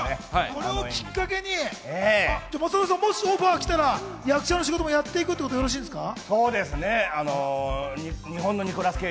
これをきっかけにもしオファーが来たら、役者の仕事もやっていくってことでよろしいですか？